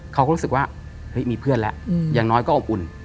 เขาก็รู้สึกว่าเฮ้ยมีเพื่อนแล้วอย่างน้อยก็อบอุ่น